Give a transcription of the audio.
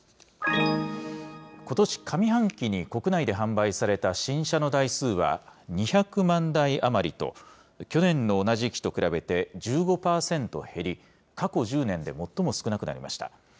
今年上半期に国内で販売された新車の台数は、２００万台余りと、去年の同じ時期と比べて１５％減り、過去１０年で最も少なくなりました。